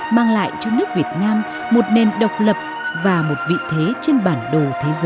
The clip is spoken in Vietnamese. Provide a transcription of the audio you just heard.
mang lại cho nước việt nam một nền độc lập và một vị thế trên bản đồ